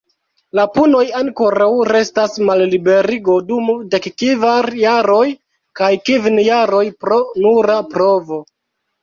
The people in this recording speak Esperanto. La punoj ankoraŭ restas malliberigo dum dekkvar jaroj, kaj kvin jaroj pro nura provo.